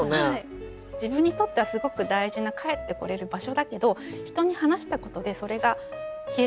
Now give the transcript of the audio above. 自分にとってはすごく大事な帰ってこれる場所だけど人に話したことでそれが消えてしまう。